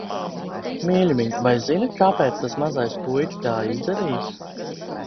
Mīļumiņ, vai zini, kāpēc tas mazais puika tā izdarīja?